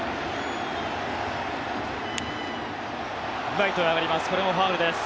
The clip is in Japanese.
ライトへ上がります。